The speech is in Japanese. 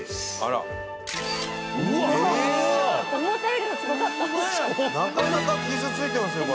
なかなか傷ついてますよ